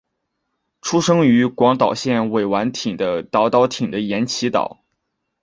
出生于广岛县尾丸町的岛岛町的岩崎岛。